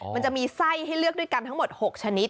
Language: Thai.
มันจะมีไส้ให้เลือกด้วยกันทั้งหมด๖ชนิด